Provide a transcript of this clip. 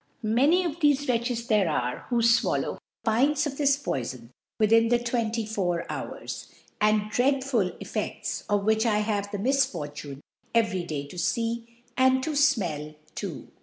Many ♦ of thcfc Wretches there are, who fwallow Pints of this Poifon wiihin the Twenty fojjr Hours ; the di'eadful EfFeds of whif h I have the Misfortune every Day to fee, and to fmell too.